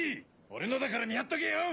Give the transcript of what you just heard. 俺のだから見張っとけよ！